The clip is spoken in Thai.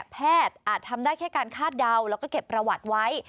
อาจทำได้แค่การคาดเดาแล้วก็เก็บประวัติไว้